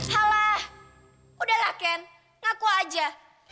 salah udah lah ken ngaku aja